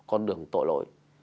con đường tội lỗi